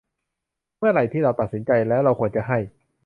เมื่อไหร่ที่เราตัดสินใจแล้ว เราควรจะให้